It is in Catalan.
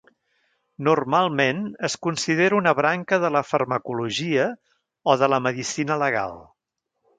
Normalment es considera una branca de la farmacologia o de la medicina legal.